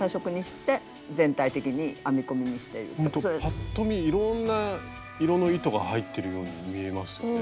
パッと見いろんな色の糸が入ってるように見えますよね。